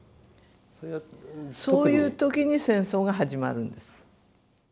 そういう時に戦争が始まるんです。